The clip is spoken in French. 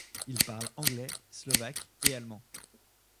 Il parle anglais, slovaque et allemand.